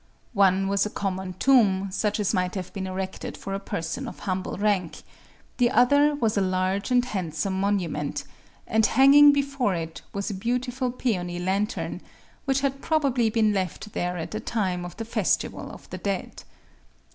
One was a common tomb, such as might have been erected for a person of humble rank: the other was a large and handsome monument; and hanging before it was a beautiful peony lantern, which had probably been left there at the time of the Festival of the Dead.